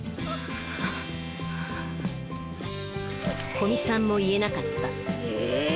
古見さんも言えなかったえぇ！